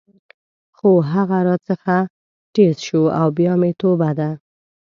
خو هغه راڅخه ټیز شو او بیا مې توبه ده.